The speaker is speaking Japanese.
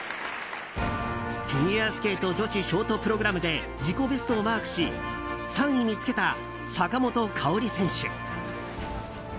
フィギュアスケート女子ショートプログラムで自己ベストをマークし３位につけた坂本花織選手。